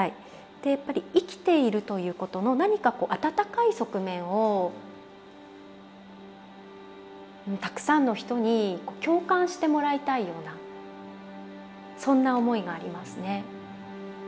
で生きているということの何か温かい側面をたくさんの人に共感してもらいたいようなそんな思いがありますね。